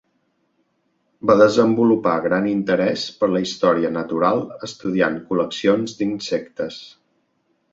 Va desenvolupar gran interès per la història natural estudiant col·leccions d'insectes.